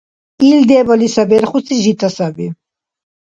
Ил дебали саберхурси жита саби.